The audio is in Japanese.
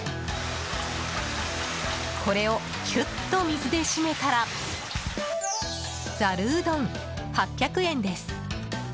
これをきゅっと水で締めたらざるうどん、８００円です。